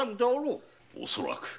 恐らく。